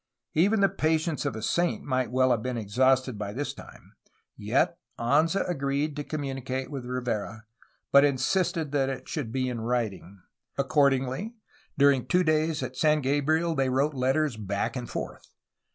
Even the patience of a saint might well have been exhausted by this time. Yet Anza agreed to communicate with Rivera, but insisted that it should be in writing. Accordingly, during two days at San Gabriel they wrote letters back and forth.